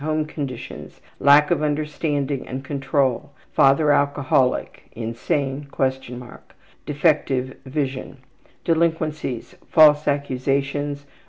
Home conditions: Lack of understanding and control. Father alcoholic, insane (?) Defective vision. Delinquencies: Mentality: False accusations.